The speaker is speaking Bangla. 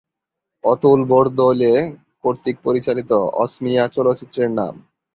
অতুল বরদলৈ কর্তৃক পরিচালিত অসমীয়া চলচ্চিত্রের নাম